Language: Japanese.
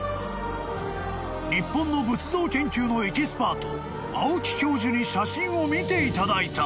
［日本の仏像研究のエキスパート青木教授に写真を見ていただいた］